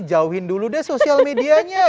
jauhin dulu deh sosial medianya